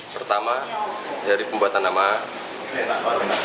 pertama dari pembuatan gelang haji